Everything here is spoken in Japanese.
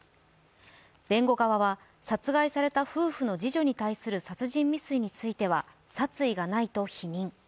弁護側は殺害された夫婦の次女に対する殺人未遂については、殺意がないと否認。